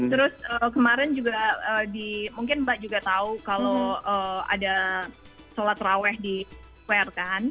terus kemarin juga mungkin mbak juga tahu kalau ada sholat raweh di square kan